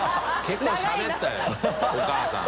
觜しゃべったよお母さん。